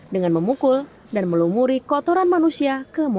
dengan memukul dan melumuri kotoran manusia